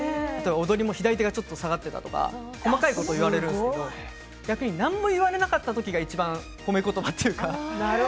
踊りも左手がちょっと下がっていたとか細かいこと言われるんですけど逆に何も言われなかったときがいちばん褒めことばというか。